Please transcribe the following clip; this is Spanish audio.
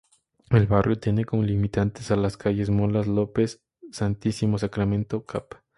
El barrio tiene como limitantes a la calles Molas López, Santísimo Sacramento, Cap.